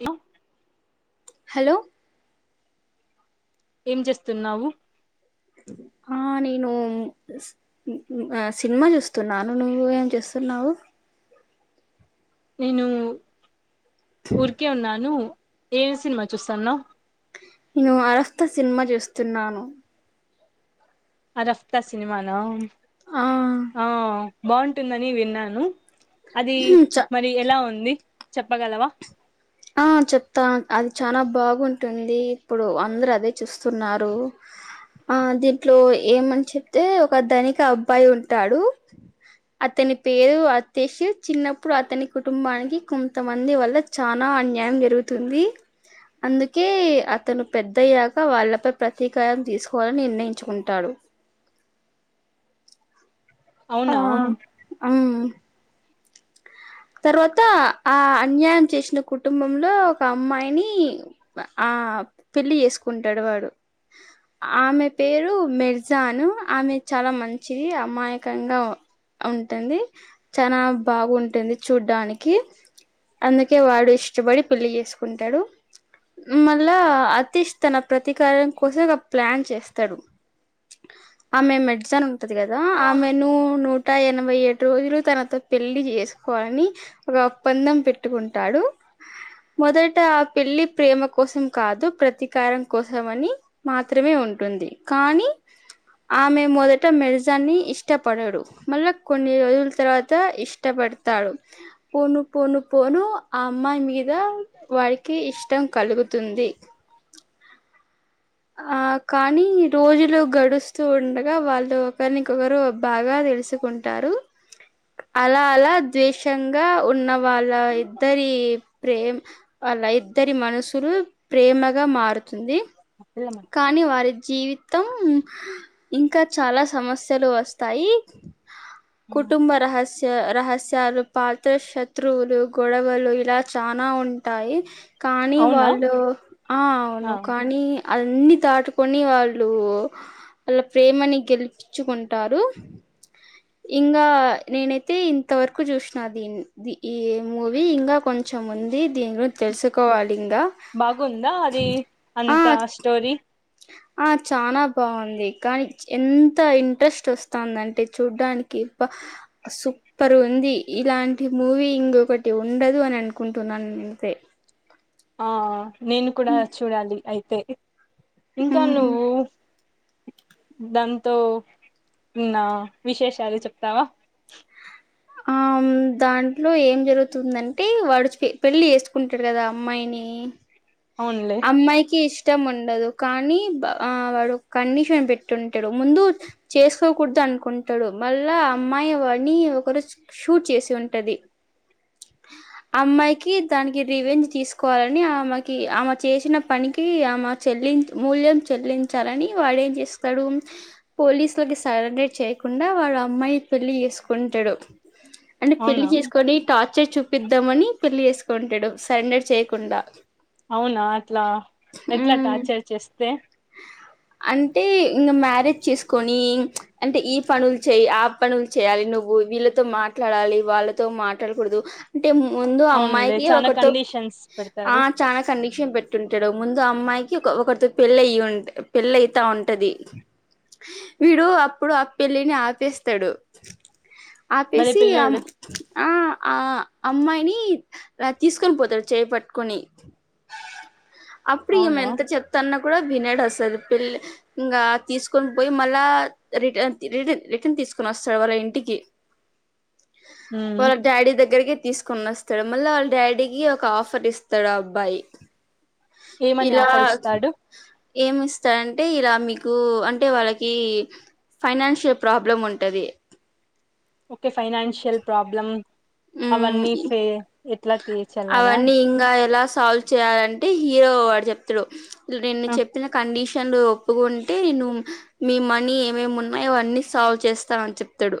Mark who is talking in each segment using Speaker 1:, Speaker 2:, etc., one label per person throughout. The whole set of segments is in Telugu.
Speaker 1: హలో
Speaker 2: హలో
Speaker 1: ఏం చేస్తున్నావు
Speaker 2: ఆ నేను సినిమా చూస్తున్నాను నువ్వు ఏం చూస్తున్నావు
Speaker 1: నేను ఊరికే ఉన్నాను ఏ సినిమా చూస్తాన్నవ్
Speaker 2: నేను అరస్త సినిమా చూస్తున్నాను
Speaker 1: ఆ రఫ్తా సినిమానా
Speaker 2: ఆ
Speaker 1: ఆ బాగుంటుందని విన్నాను అది
Speaker 2: చ
Speaker 1: మరి ఎలా ఉంది చెప్పగలవా
Speaker 2: ఆ చెప్తా అది చానా బాగుంటుంది ఇప్పుడు అందరు అదే చూస్ స్తున్నారు ఆ దీంట్లో ఏమని చెప్తే ఒక ధనిక అబ్బాయి ఉంటాడు అతని పేరు అతీష్ చిన్నప్పుడు అతని కుటుంబానికి కొంతమంది వల్ల చా నా అన్యాయం జరుగుతుంది అందుకే అతను పెద్దయ్యాక వాళ్ళపై ప్రతీకారం తీసుకోవాలని నిర్ణయించుకుంటాడు ఆ
Speaker 1: అవునా
Speaker 2: మ్మ్ తర్వాత ఆ అన్యాయం చేసిన కుటుంబంలో ఒక అమ్మాయిని ఆ ఆ పెళ్లి చేసుకుంటడు వాడు ఆమె పేరు మేర్జాను ఆమె చాలా మంచిది అమాయకంగా ఉంటుంది చానా బాగుంటుంది చూడ్డానికి అందుకే వాడు ఇష్టపడి పెళ్లి చేసుకుంటడు మళ్ళా అతీష్ తన ప్రతీకారం కోసం ఒక ప్లాన్ చేస్తాడు ఆమె మెడిజన్ ఉంటది కదా ఆమెను నూట ఎనభై ఏడు రోజులు తనతో పెళ్లి చేసు కోవాలని ఒక ఒప్పందం పెట్టుకుంటాడు మొదట ఆ పెళ్లి ప్రేమ కోసం కాదు ప్రతీకారం కోసం అని మాత్రమే ఉం టుంది కానీ ఆమె మొదట మెరుజాన్ని ఇష్టపడడు మళ్ళా కొన్ని రోజుల తర్వాత ఇష్టపడు తాడు పోను పోను పోను ఆ అమ్మాయి మీద వాడికి ఇష్టం కలుగుతుంది ఆ కానీ రోజులు గడుస్తూ ఉండగా వాళ్ళు డు ఒకరినీకొకరు బాగా తెలుసుకుంటారు అలా అలా ద్వేషంగా ఉన్న వాళ్ళ ఇద్దరి ప్రేమ్ వాళ్ళ ఇద్దరి మనుసులు ప్రేమగా మారుతుంది కానీ వారి జీవితం ఇంకా చాలా సమస్యలు వస్తాయి కుటుంబ రహస్య రహస్యాలు పాత శత్రువులు గొడవలు ఇలా చనా ఉంటాయి కానీ
Speaker 1: అవునా
Speaker 2: వాళ్ళు ఆ
Speaker 1: ఆ
Speaker 2: అవును కానీ అన్నీ దాటుకొని వాళ్ళు ఆల్లా ప్రేమని గెలిపించుకుంటారు ఇంగ నేనైతే ఇంతవరకు చూసిన దీన్ని ది ఈ మూవీ ఇంగ కొంచె చు ముంది దీన్లో తెలుసుకోవాలి
Speaker 1: బాగుందా అది
Speaker 2: ఆ!
Speaker 1: అంత స్టోరీ
Speaker 2: ఆ చానా బావుంది కానీ ఎంత ఇంట్రెస్ట్ వస్తందంటే చూడ్డానికి బ్బ సూపర్ ఉంది ఇలాంటి మూవీ ఇంకొకటి ఉండదు అని అనుకుంటున్నాను అంతే
Speaker 1: ఆ నేను కూడా చూడాలి అయితే ఇంకా
Speaker 2: మ్మ్
Speaker 1: నువ్వు దాంతో ఉన్న విశేషాలు చెప్తావా
Speaker 2: ఆ దాంట్లో ఏం జరుగుతుందంటే వాడు పెళ్లి చేసుకుంటాడు కదా అమ్మాయిని
Speaker 1: అవునులే
Speaker 2: అమ్మాయికి ఇష్ ష్టం ఉండదు కానీ వాడు కండిషన్ పెట్టింటాడు ముందు చేసుకోకూడద అనుకుంటాడు మళ్ళా ఆ అమ్మాయి వాడ్ని ఒక రోజు షూట్ చేసి ఉంటది అమ్మాయికి దానికి రివెంజ్ తీసుకోవాలని ఆమెకి ఆమె చేసిన పనికి ఆమె చెల్ ల్ మూల్యం చెల్లించాలని వాడు ఏం చేస్తాడు పోలీసులకి సరండర్ చేయకుండా వాళ అమ్మాయి పెళ్లి చేసుకుంటాడు అంటే పెళ్లి
Speaker 1: అవునా
Speaker 2: చేసుకొని టార్చర్ చూపిద్దామని పెళ్లి చేసుక్ కొంటడు సరెండర్ చేయకుండ
Speaker 1: అవునా అట్లా ఎట్లా
Speaker 2: మ్మ్
Speaker 1: టార్చర్ చేస్తే
Speaker 2: అంటే ఇంగ మ్యారేజ్ చేసుకొని అంటే ఈ పనులు చెయ్ ఆ పనులు చేయ్యాలి నువ్వు వీళ్ళతో మాట్లాడాలి వాళ్ళతో మాట్లాడకూడదు అంటే ముందు
Speaker 1: అవునులే
Speaker 2: అమ్మాయికి
Speaker 1: చానా
Speaker 2: ఒకరితో
Speaker 1: కండిషన్స్
Speaker 2: ఆ
Speaker 1: పెడతారు
Speaker 2: చానా కండిక్షన్ పెట్టింటాడు ముందు అమ్మాయికి ఒకరితో పెళ్ళ అయ్యి పెళ్ళయితా ఉంటది వీడు అప్పుడు ఆ పెళ్లిని ఆపేస్తాడు
Speaker 1: భలే
Speaker 2: ఆపేసి
Speaker 1: పిల్లోడు
Speaker 2: ఆ ఆ అమ్మాయిని తీసుకొని పోతాడు చేయి పట్టుకొని అప్పుడు ఈమె
Speaker 1: అవునా
Speaker 2: ఎంత చెప్తున్న వినడు అసలు పిల్ల ఇంగ తీసుకొని పోయి మళ్ళా రిటన్ రిడ్ రిటర్న్ తీసుకు మా సవర్ ఇంటికి
Speaker 1: ఉమ్
Speaker 2: వాళ్ళ డాడీ దగ్గరకి తీసుకొని వస్తాడు మళ్ళీ వాళ్ళ డాడీకి ఒక ఆఫర్ ఇస్తాడు ఆ అబ్బాయి
Speaker 1: ఏమని
Speaker 2: ఇలా
Speaker 1: ఆఫరిస్తాడు
Speaker 2: ఏమి ఇస్తాడంటే ఇలా మీకు అంటే వాళ్ళకి ఫైనాన్షియల్ ప్రాబ్లం ఉంటది
Speaker 1: ఓకే ఫైనాన్షియల్ ప్రాబ్లం అవన్నీ
Speaker 2: హ్మ్
Speaker 1: ఫే ఎట్లా తీర్చాలనా
Speaker 2: అవన్నీ ఇంగ ఎలా సాల్వ్ చేయాలంటే హీరో వాడు చెప్తాడు నేను
Speaker 1: ఆ,
Speaker 2: చెప్పిన కండిషన్లు ఒప్పుకుంటే ను మీ మనీ ఏమేమ్ ఉన్నాయో అన్నీ సాల్వ్ చేస్తా అని చెప్తాడు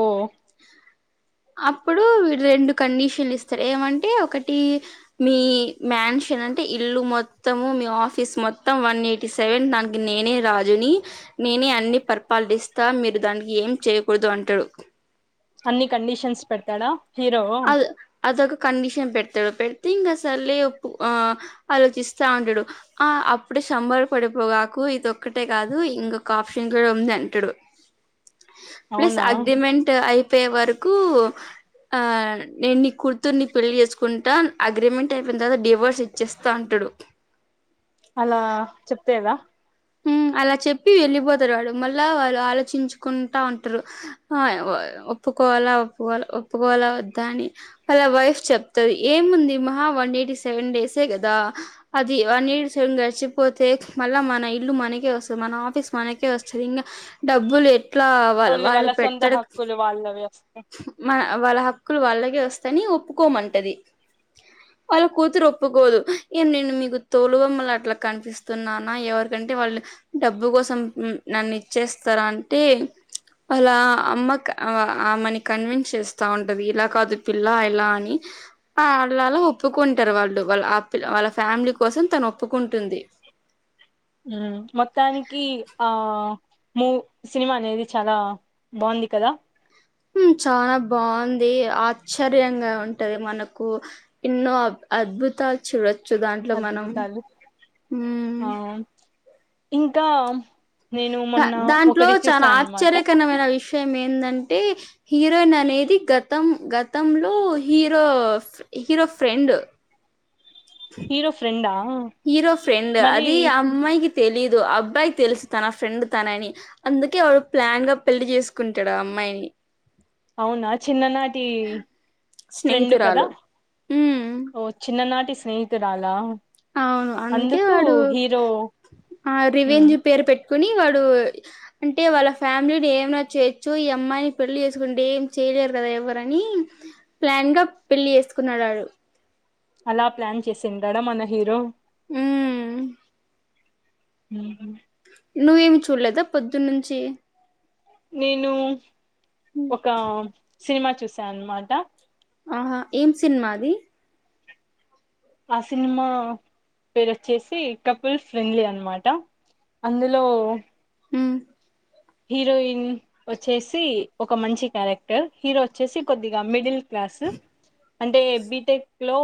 Speaker 1: ఓ
Speaker 2: అప్పుడు వీడు రెండు కండిషన్లు ఇస్తారు ఏమంటే ఒకటి మీ మ్యాన్స్ ఎనంటే ఇల్లు మొత్తము మీ ఆఫీస్ మొత్తం వన్ ఎయిటీ సెవెన్ దానికి నేనే రాజుని నేనే అన్ని పరిపాలిస్తా మీరు దానికి ఏం చేయకూడదు అంటాడు
Speaker 1: అన్ని కండిషన్స్ పెడతాడా హీరో
Speaker 2: అదు అదకు కండిషన్ పెడతాడు పెట్టి ఇంగ సర్లే ఒప్పుకొ ఆ ఆలోచిస్తా ఉంటాడు అప్పుడు సంబరపడిపోగాకు ఇది ఒక్కటే గాదు ఇంకొక ఆప్షన్ కూడా ఉంది అంటాడు ప్లస్
Speaker 1: అవునా
Speaker 2: అగ్రిమెంట్ అయిపోయే వరకు ఆ నేను నీ కుర్తురుని పెళ్లిిచేసుకుంటా అగ్రిమెంట్ అయిపోయిన తర్వాత డివోర్స్ ఇచ్చేస్తా అంటాడు
Speaker 1: అలా చెప్పేదా
Speaker 2: ఉమ్ అలా చెప్పి వెళ్ళిపోతారాడు మళ్ళా వాళ్ళు ఆలోచించుకుంటా ఉంటారు ఆ ఒప్పుకోవాలా ఒప్పుకోల ఒప్పుకోలా వద్దా అని వాళ్ళ వైఫ్ చెప్తది ఏముంది మ వన్ ఎయిటీ సెవన్ డేసే కదా అది వన్ ఎయిటీ సెవన్ కడిచిపోతే మళ్ళా మనైల్ ఇల్లు మనకే వస్తది మన ఆఫీస్ మనకే వస్తుంది ఇంగ డబ్బులు ఇట్లా వాళ్ళ
Speaker 1: ఓన్లీ
Speaker 2: వాళ్ళు
Speaker 1: సొంత
Speaker 2: పెట్టతడు
Speaker 1: హక్కులు వాళ్ళవి వస్తాయి
Speaker 2: మన వాళ్ళ హక్కులు వాళ్ళగెవొస్ చని ఒప్పుకోమంటది వాళ్ళ కూతురొప్పుకోదు ఇ నేను మీకు తోలుబొమ్మలట్లా కనిపిస్తున్నానా ఎవరు ఎందుకంటే వాళ్ళు డబ్బు కోసం నన్ను ఇచ్చేస్తారా అంటే అలా అమ్మక ఆమెకన్విన్స్ చేస్తా ఉంట ది ఇలా కాదు పిల్లా ఎలా అని అళ్ళలా ఒప్పుకుంటారు వాళ్ళు వాళ్ళ ఆ పిల్ వాళ్ళ ఫ్యామిలీ కోసం తను ఒప్పుకుంటుంది
Speaker 1: మొత్తానికి ఆ మూ సినిమా అనేది చాలా బాగుంది కదా అ
Speaker 2: ఉమ్ చానా బాగుంది ఆశ్చర్యంగా ఉంటది మనకు ఎన్నో అద్భుతాలు చూడొచ్చు దాంట్లో మనం
Speaker 1: అద్భుతాలు ఆ ఇంకా నేను మొన్న
Speaker 2: దాంట్లో
Speaker 1: ఒకటి
Speaker 2: చానా
Speaker 1: చూసా అన్నమాట
Speaker 2: ఆశ్చర్యకరమైన విషయం ఏందంటే హీరోయిన్ అనేది గతం గతంలో హీరో హీరో ఫ్రెండ్
Speaker 1: హీరో ఫ్రెండా
Speaker 2: హీరో ఫ్రెండ్
Speaker 1: మరి
Speaker 2: అది అమ్మాయి తెలీదు అబ్బాయి తెలుసు తన ఫ్రెండ్ తన అని అందుకే వాడు ప్లాన్ గా పెళ్లి చేసుకుంటాడా అమ్మా మై
Speaker 1: అవునా చిన్న నా టి ఫ్రెండ్ కదా
Speaker 2: స్నేహితురాలు ఉమ్
Speaker 1: ఓ చిన్ననాటి స్నేహితురాలా
Speaker 2: అవును అందుకే
Speaker 1: అందుకు
Speaker 2: వాడు
Speaker 1: హీరో
Speaker 2: ఆ
Speaker 1: మ్మ్
Speaker 2: రివేంజీ పేరు పెట్టు కొని వాడు అంటే వాళ్ళ ఫ్యామిలీని ఏమన చేయొచ్చు ఈ అమ్మాయిని పెళ్లి చేసుకుంటే ఏం చేయ లేరు గదా ఎవరని ప్లాన్ గా పెళ్లి చేసుకున్నాడాడు
Speaker 1: అలా ప్లాన్ చేసిండాడ మన హీరో
Speaker 2: ఉమ్
Speaker 1: ఉమ్
Speaker 2: నువ్వేమి చూడలేదా పొద్దున్న నుంచి
Speaker 1: నేను ఒక సినిమా చూసా అనమాట
Speaker 2: ఆహా ఏం సినిమాది
Speaker 1: ఆ సినిమా పేరొచ్చేసి కపుల్ ఫ్రెండ్లీ అనమాట అందులో
Speaker 2: ఉమ్
Speaker 1: హీరోయిన్ వచ్చేసి ఒక మంచి క్యారెక్టర్ హీరో వచ్చేసి కొద్దిగా మిడిల్ క్లాస్ సు అంటే బీటెక్ లో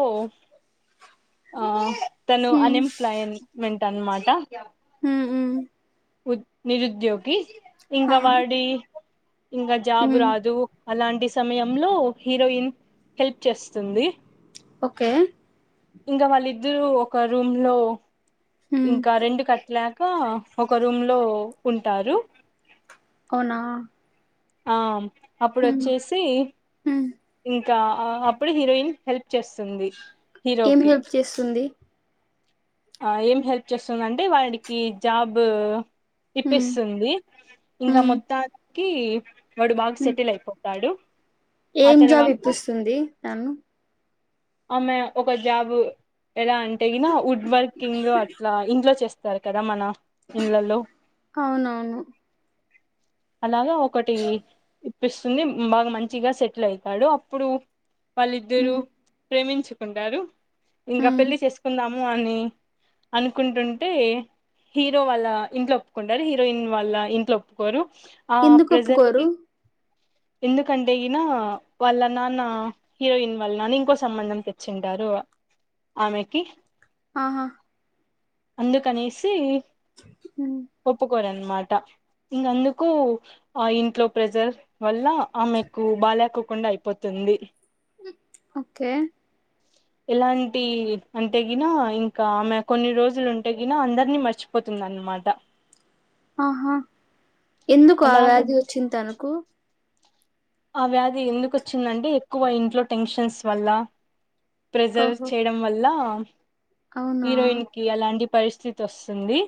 Speaker 1: తను
Speaker 2: ఉమ్
Speaker 1: అన్ఎంప్లాయమెంట్ అనమాట
Speaker 2: ఊహు
Speaker 1: ఉద్ నిరుద్యోగి ఇంకా
Speaker 2: ఆహా
Speaker 1: వాడి ఇంగ జాబు
Speaker 2: ఉమ్
Speaker 1: రాదు అలాంటి సమయంలో హీరోయిన్ హెల్ప్ చేస్తుంది
Speaker 2: ఓకే
Speaker 1: ఇంగ వాళ్ళిద్దురు ఒక రూమ్ లో
Speaker 2: ఉమ్
Speaker 1: ఇంకా రెండు కట్టలా కా ఒక రూమ్ లో ఉంటారు
Speaker 2: అవునా
Speaker 1: ఆ అప్పుడు
Speaker 2: ఉమ్
Speaker 1: వచ్చేసి
Speaker 2: ఉమ్
Speaker 1: ఇంకా అప్పుడు ఆ హీరోయిన్ హెల్ప్ చేస్తుంది
Speaker 2: ఏం
Speaker 1: హీరోకి
Speaker 2: హెల్ప్ చేస్తుంది
Speaker 1: ఆ ఏం హెల్ప్ చేస్తదంటే వాడికి జాబు
Speaker 2: ఉమ్
Speaker 1: ఇప్పిస్తుంది ఇంగ
Speaker 2: ఉమ్
Speaker 1: మొత్తానికి వాడు బాగా
Speaker 2: ఉమ్
Speaker 1: సెటిల్ అయిపో తాడు
Speaker 2: ఏం జాబ్ ఇప్పిస్తుంది తను
Speaker 1: ఆమె ఒక జాబ్ ఎలా అంటే ఇనా వుడ్ వర్కింగ్ అట్లా ఇంట్లో చేస్ తది కదా మన ఇళ్లలో
Speaker 2: అవునవును
Speaker 1: అలాగా ఒకటి ఇప్పిస్తుంది బాగా మంచిగా సెటిల్ అయితాడు అప్పుడు వాళ్ళిద్దురు
Speaker 2: ఉమ్
Speaker 1: ప్రేమించుకుంటారు ఇంకా
Speaker 2: ఉమ్
Speaker 1: పెళ్ళి చేసుకుందాము అని అనుకుంటుంటే హీరో వాళ్ళ ఇంట్లో ఒప్పుకుంటారు హీరోయిన్ వాళ్ళ ఇంట్లో ఒప్పుకోరు ఆ
Speaker 2: ఎందుకు ఒప్పుకోరు
Speaker 1: ప్రజెంట్కి ఎందుకంటే గిన వాళ్ళ నాన్న హీరోయిన్ వాళ్ళ నాన్న ఇంకో సంబంధం తెచ్చింటారు ఆమెకి
Speaker 2: ఆహా
Speaker 1: అందుకనేసి
Speaker 2: ఉమ్,
Speaker 1: ఒప్పుకోరను నుమాట ఇంకా అందుకు ఆ ఇంట్లో ప్రెజర్ వల్ల ఆమెకు బాలేకోకుండా అయిపోతుంది
Speaker 2: ఓకే
Speaker 1: ఇలాంటి అంటే గిన ఇంకా ఆమె కొన్ని రోజులు ఉంటే గిన అందరినీ మర్చిపో తుంది అన్నమాట
Speaker 2: ఆహా ఎందుకు ఆ వ్యాధి
Speaker 1: అలాగా
Speaker 2: వచ్చింది తనకు
Speaker 1: ఆ వ్యాధి ఎందుకు వచ్చిందంటే ఎక్కువ ఇంట్లో టెన్షన్స్ వల్ల ప్రెస్సర్స్
Speaker 2: ఓహో
Speaker 1: చేయడం వల్ల
Speaker 2: అవునా
Speaker 1: హీరోయిన్ కి అలాంటి పరిస్థితి వస్తుంది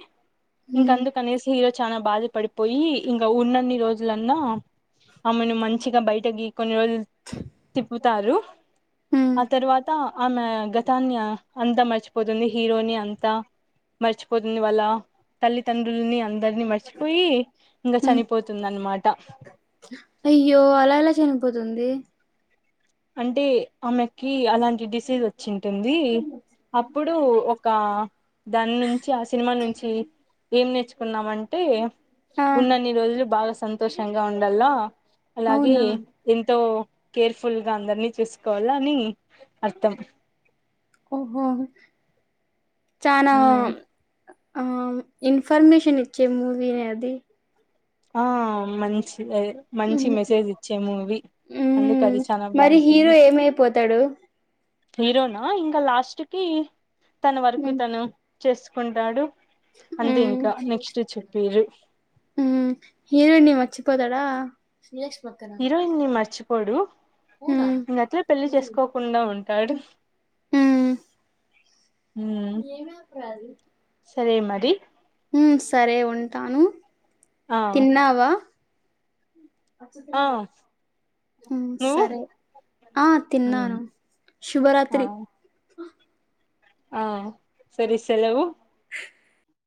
Speaker 1: ఇంక
Speaker 2: హ్మ్
Speaker 1: అందుకనేసి హీరో చానా బాధపడిపోయి ఇంకా ఉన్నన్ని రోజులన్నా ఆమెను మంచిగా బయట గీ కొన్ని రోజులు తిప్పుతారు
Speaker 2: హ్మ్
Speaker 1: ఆ తర్వాత ఆమె గతాన్ని ఆ అంతా మర్చిపోతుంది హీరోని అంతా మర్చిపోతుంది వాళ్ళ తల్లితండ్రుల్ని అందరినీ మర్చిపోయి ఇంకా
Speaker 2: హ్మ్
Speaker 1: చనిపోతుందన్నమాట
Speaker 2: అయ్యో అలా ఎలా చనిపోతుంది
Speaker 1: అంటే ఆమెకి అలాంటి డిసీజ్ వచ్చింటుంది అప్పుడు క దాని నుంచి ఆ సినిమా నుంచి ఏం నేర్చుకున్నామంటే
Speaker 2: ఆ
Speaker 1: ఉన్నన్ని రోజులు బాగా సంతోషంగా ఉండల్ల అలాగే
Speaker 2: అవునా
Speaker 1: ఎంతో కేర్ఫుల్ గా అందరినీ చూసుకోవాలా అని అర్థం
Speaker 2: హ్మ్ హు చానా
Speaker 1: ఉమ్,
Speaker 2: ఆ ఇన్ఫర్మేషన్ ఇచ్చే మూవీ అది
Speaker 1: ఆ మంచి గదే మంచి
Speaker 2: హ్మ్
Speaker 1: మెసేజ్ ఇచ్చే మూవీ అందుకు అది చాలా బాగుంటుంది
Speaker 2: తడు
Speaker 1: హీరోనా ఇంకా లాస్ట్ కి తన వర్క్
Speaker 2: హ్మ్
Speaker 1: తను చేసుకుంటాడు అంతే
Speaker 2: హ్మ్
Speaker 1: ఇంకా నెక్స్ట్ చెప్పిరు
Speaker 2: హ్మ్ హీరోయిన్ని మర్చిపోతాడా
Speaker 1: పోడు
Speaker 2: హ్మ్
Speaker 1: ఇంగట్లే పెళ్లి చేసుకోకుండా ఉంటాడు మ్
Speaker 2: ఎ మ్యాప్ రాది
Speaker 1: సరే మడి
Speaker 2: ఉమ్ సరే ఉంటాను
Speaker 1: ఆ
Speaker 2: తిన్నావా
Speaker 1: ఆ
Speaker 2: ఉమ్
Speaker 1: నువ్వు
Speaker 2: సరే ఆ
Speaker 1: మ్
Speaker 2: తిన్నాను
Speaker 1: ఆ
Speaker 2: శుభరాత్రి
Speaker 1: ఆ సరి సెలవు